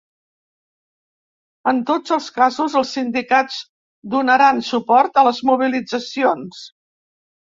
En tots els casos els sindicats donaran suport a les mobilitzacions.